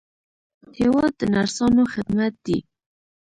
هېواد د نرسانو خدمت دی.